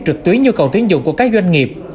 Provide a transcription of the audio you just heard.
trực tuyến nhu cầu tiến dụng của các doanh nghiệp